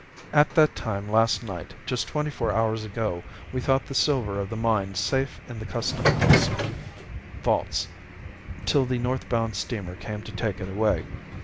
At that time last night, just twenty four hours ago, we thought the silver of the mine safe in the Custom House vaults till the north bound steamer came to take it away.